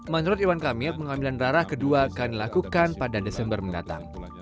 menurut irwan kamil pengambilan darah kedua akan dilakukan pada desember mendatang